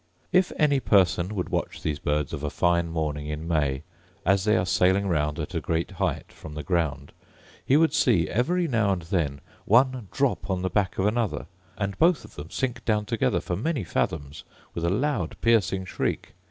If any person would watch these birds of a fine morning in May, as they are sailing round at a great height from the ground, he would see, every now and then, one drop on the back of another, and both of them sink down together for many fathoms with a loud piercing shriek.